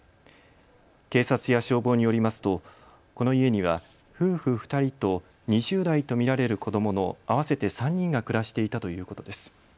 警察や消防によりますとこの家には夫婦２人と２０代と見られる子どもの合わせて３人が暮らしていたということです。